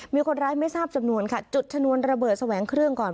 มีคนร้ายไม่ทราบจำนวนค่ะจุดชนวนระเบิดแสวงเครื่องก่อน